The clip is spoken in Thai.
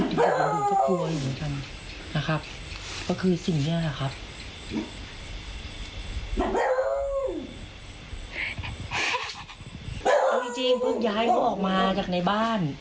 เอาจริงเพิ่งย้ายเขาออกมาจากในบ้าน